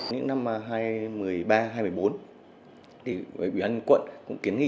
từ năm hai nghìn một mươi ba hai nghìn một mươi bốn ubq cũng kiến nghị